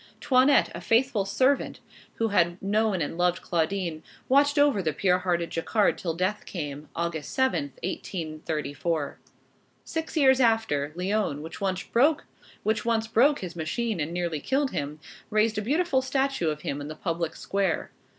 Toinette, a faithful servant who had known and loved Claudine, watched over the pure hearted Jacquard till death came, Aug. 7, 1834. Six years after, Lyons, which once broke his machine and nearly killed him, raised a beautiful statue of him in the public square.